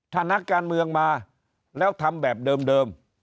ถ้านักการเมืองมาแล้วทำแบบเดิม